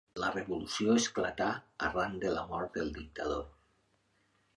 La revolució esclatà arran de la mort del dictador.